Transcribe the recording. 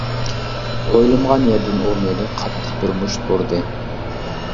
ئويلىمىغان يەردىن ئۇ مېنى قاتتىق بىر مۇشت ئۇردى.